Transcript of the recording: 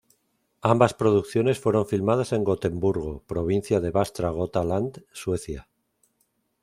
Ambas producciones fueron filmadas en Gotemburgo, Provincia de Västra Götaland, Suecia.